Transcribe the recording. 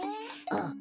あっ！